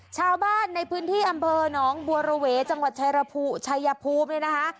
ชาวบ้านในพื้นที่อำเภอน้องบัวโลเบจังหวัดชายภูมิ